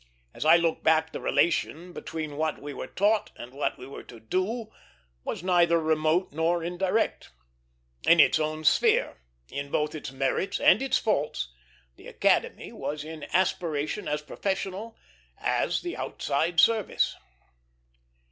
As I look back, the relation between what we were taught and what we were to do was neither remote nor indirect. In its own sphere, in both its merits and its faults, the Academy was in aspiration as professional as the outside service.